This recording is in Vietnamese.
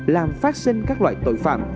làm phát sinh các loại tội phạm